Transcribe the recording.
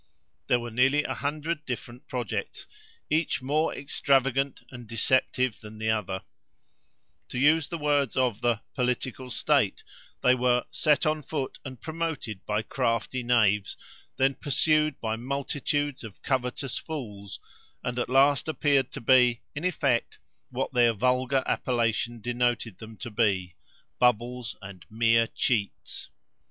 There were nearly a hundred different projects, each more extravagant and deceptive than the other, To use the words of the Political State, they were "set on foot and promoted by crafty knaves, then pursued by multitudes of covetous fools, and at last appeared to be, in effect, what their vulgar appellation denoted them to be bubbles and mere cheats."